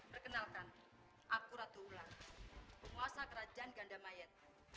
perkenalkan aku ratu ular penguasa kerajaan ganda mayat